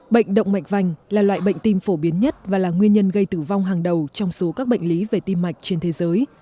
bệnh động mạch vành là loại bệnh tim phổ biến nhất và là nguyên nhân gây tử vong hàng đầu trong số các bệnh lý về tim mạch trên thế giới